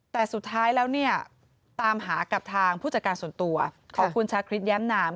แต่สุดท้ายแล้วเนี่ยตามหากับทางผู้จัดการส่วนตัวของคุณชาคริสแย้มนาม